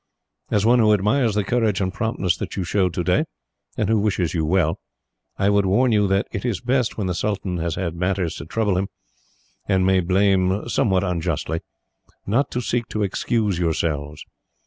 "As one who admires the courage and promptness that you showed today, and who wishes you well, I would warn you that it is best, when the sultan has had matters to trouble him, and may blame somewhat unjustly, not to seek to excuse yourselves.